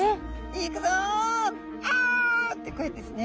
「行くぞ！あっ！」てこうやってですね。